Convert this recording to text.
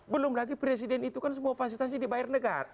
belum lagi presiden itu kan semua fasilitasnya dibayar negara